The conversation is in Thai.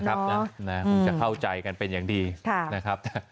คงจะเข้าใจกันเป็นอย่างดีนะครับ